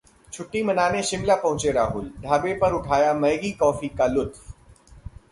छुट्टी मनाने शिमला पहुंचे राहुल, ढाबे पर उठाया मैगी-कॉफी का लुत्फ